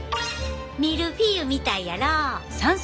ミルフィーユみたいやろ。